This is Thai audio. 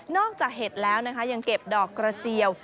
จากเห็ดแล้วนะคะยังเก็บดอกกระเจียว